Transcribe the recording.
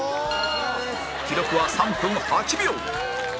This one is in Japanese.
記録は３分８秒！